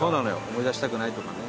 思い出したくないとかね。